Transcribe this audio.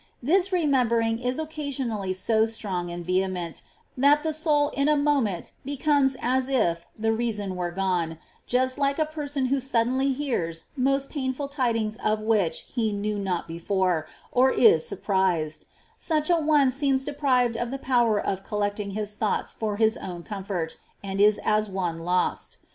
This remembering is occasionally so strong and vehement that the soul in a moment becomes as if the reason were gone, just like a person who suddenly hears most painful tidings of which he knew not before, or is sur prised ; such a one seems deprived of the power of collecting his thoughts for his own comfort, and is as one lost.